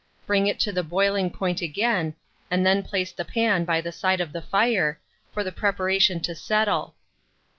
Bring it to the boiling point again, and then place the pan by the side of the fire, for the preparation to settle.